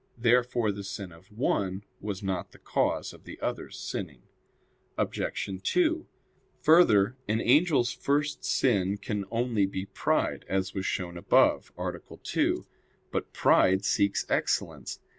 Therefore the sin of one was not the cause of the others' sinning. Obj. 2: Further, an angel's first sin can only be pride, as was shown above (A. 2). But pride seeks excellence.